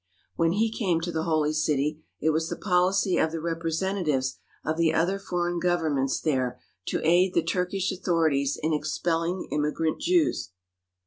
When he came to the Holy City it was the policy of the representatives of the other foreign governments there to aid the Turkish authorities in ex pelling immigrant Jews.